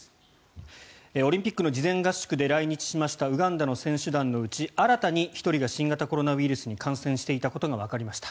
オリンピックの事前合宿で来日しましたウガンダの選手団のうち新たに１人が新型コロナウイルスに感染していたことがわかりました。